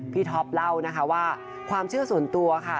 ท็อปเล่านะคะว่าความเชื่อส่วนตัวค่ะ